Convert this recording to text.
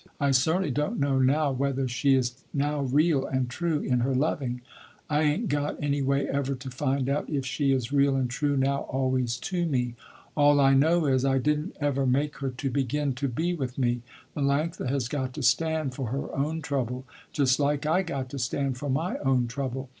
I certainly don't know now whether she is now real and true in her loving. I ain't got any way ever to find out if she is real and true now always to me. All I know is I didn't ever make her to begin to be with me. Melanctha has got to stand for her own trouble, just like I got to stand for my own trouble.